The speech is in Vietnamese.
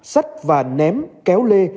sách và ném kéo lê